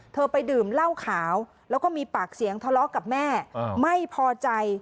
ไปดื่มเหล้าขาวแล้วก็มีปากเสียงทะเลาะกับแม่ไม่พอใจ